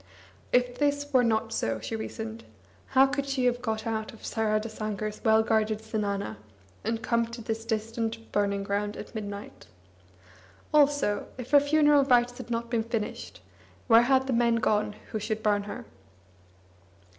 If this were not so, she reasoned, how could she have got out of Saradasankar's well guarded zenana, and come to this distant burningground at midnight? Also, if her funeral rites had not been finished, where had the men gone who should burn her?